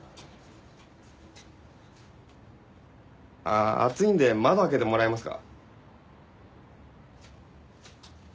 ああ暑いんで窓開けてもらえますか？